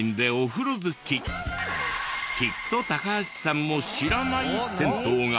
きっと高橋さんも知らない銭湯が！